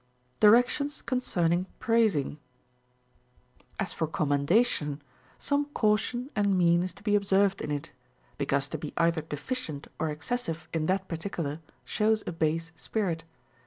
Directions concerning Praising. 13. As for commendation, some caution and mean is to be observed in it ; because to be either deficient or exces sive in that particular shows a base spirit.